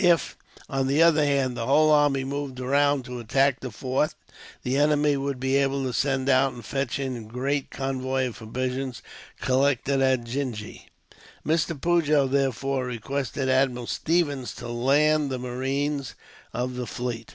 If, on the other hand, the whole army moved round to attack the fort, the enemy would be able to send out and fetch in the great convoy of provisions collected at Jinji. Mr. Pigot therefore requested Admiral Stevens to land the marines of the fleet.